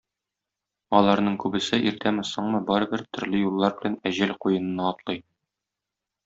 Аларның күбесе, иртәме-соңмы, барыбер, төрле юллар белән әҗәл куенына атлый.